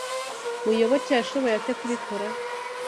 Muyoboke yashoboye ate kubikora?